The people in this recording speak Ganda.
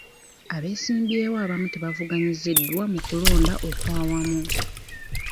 Abeesimbyewo abamu tebavuganyiziddwa mu kulonda okwa wamu.